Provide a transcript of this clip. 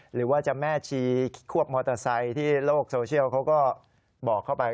หรือว่าจะแม่ชีพวกมอเตอร์ไซค์ที่โลกโซเชียลเขาก็บอกเข้าไป